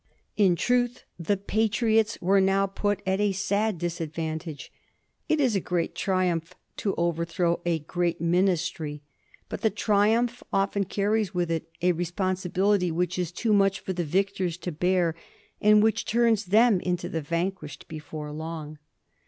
In truth, the Patriots were now put at a sad disadvan tage. It is a great triumph to overthrow a great Minis try, but the triumph often carries with it a responsibili ty which is too much for the victors to bear, and which turns them into the vanquished before long.